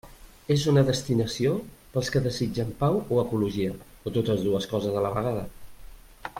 És una destinació pels que desitgen pau o ecologia, o totes dues coses a la vegada.